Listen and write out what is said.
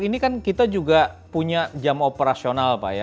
ini kan kita juga punya jam operasional pak ya